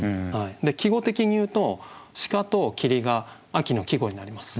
季語的に言うと「鹿」と「霧」が秋の季語になります。